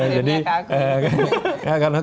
jadi mereka aku